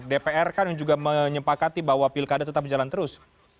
dpr kan juga menyempakati bahwa pilkada tetap berjalan terus